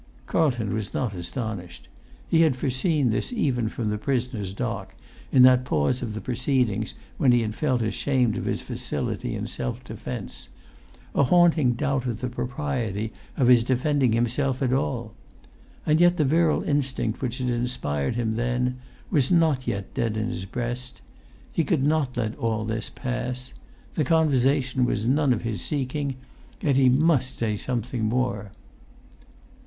Carlton was not astonished. He had foreseen this[Pg 198] even from the prisoner's dock, in that pause of the proceedings when he had felt ashamed of his facility in self defence, a haunting doubt of the propriety of his defending himself at all. And yet the virile instinct which had inspired him then was not yet dead in his breast; he could not let all this pass; the conversation was none of his seeking, yet he must say something more.